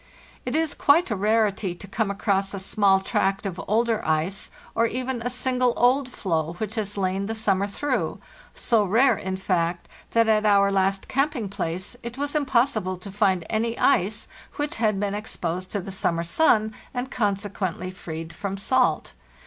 It is quite a rarity to come across a small tract of older ice, or even a single old floe which has lain the summer through—so rare, in fact, that at our last camping place it was impossible to find any ice which had been exposed to the summer sun, 228 FARTHEST NORTH and consequently freed from salt.